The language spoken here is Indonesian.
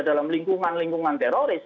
dalam lingkungan lingkungan teroris